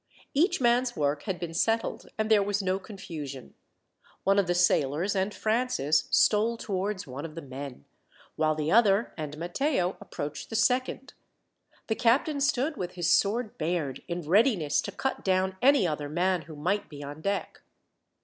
Each man's work had been settled, and there was no confusion. One of the sailors and Francis stole towards one of the men, while the other and Matteo approached the second. The captain stood with his sword bared, in readiness to cut down any other man who might be on deck.